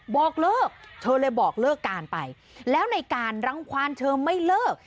บอกเลิกเธอเลยบอกเลิกการไปแล้วในการรังความเธอไม่เลิก